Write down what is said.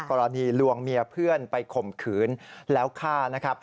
ปรณีหลวงเมียเพื่อนไปข่มขืนแล้วฆ่า